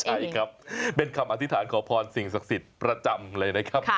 ใช่ครับเป็นคำอธิษฐานขอพรสิ่งศักดิ์สิทธิ์ประจำเลยนะครับ